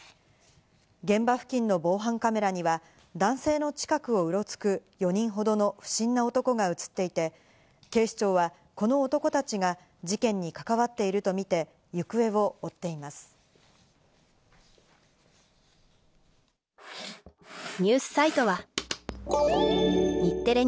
現場付近の防犯カメラには男性の近くをうろつく４人ほどの不審な男が映っていて、警視庁はこの男たちが事件に関わっているとみて行方を追っていま関東のお天気です。